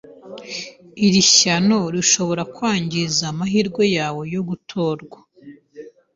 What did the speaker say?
Iri shyano rishobora kwangiza amahirwe yawe yo gutorwa.